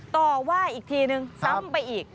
ต่อว่าอีกทีนึงซ้ำไปอีก